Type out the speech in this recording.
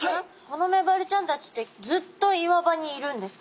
このメバルちゃんたちってずっと岩場にいるんですか？